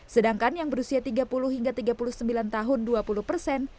sedangkan yang berusia tiga puluh hingga tiga puluh sembilan tahun dua puluh persen